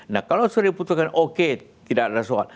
nah kalau sudah diputuskan oke tidak ada soal